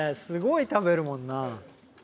すごい食べるもんな。